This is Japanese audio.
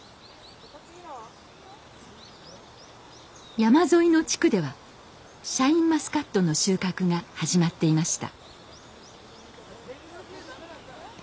山沿いの地区ではシャインマスカットの収穫が始まっていました。